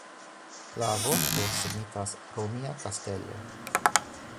La vorto signifas "romia kastelo".